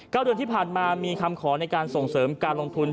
เดือนที่ผ่านมามีคำขอในการส่งเสริมการลงทุน